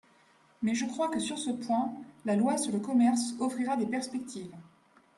Mais je crois que sur ce point la loi sur le commerce offrira des perspectives.